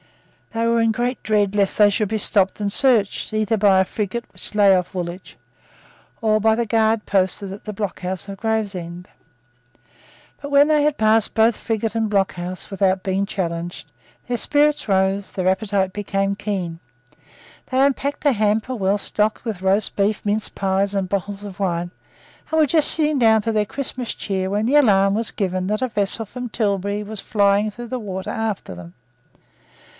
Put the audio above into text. They were in great dread lest they should be stopped and searched, either by a frigate which lay off Woolwich, or by the guard posted at the blockhouse of Gravesend. But, when they had passed both frigate and blockhouse without being challenged, their spirits rose: their appetite became keen; they unpacked a hamper well stored with roast beef, mince pies, and bottles of wine, and were just sitting down to their Christmas cheer, when the alarm was given that a vessel from Tilbury was flying through the water after them.